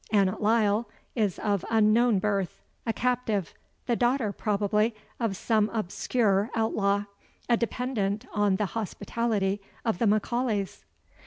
Annot Lyle is of unknown birth, a captive, the daughter, probably, of some obscure outlaw; a dependant on the hospitality of the M'Aulays."